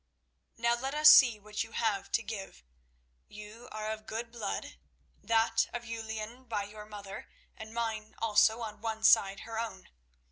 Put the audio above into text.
"Now let us see what you have to give. You are of good blood—that of Uluin by your mother, and mine, also on one side her own.